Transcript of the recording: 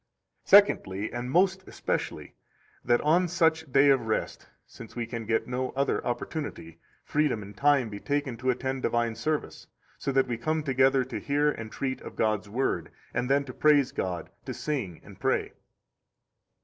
84 Secondly, and most especially, that on such day of rest (since we can get no other opportunity) freedom and time be taken to attend divine service, so that we come together to hear and treat of God's Word, and then to praise God, to sing and pray.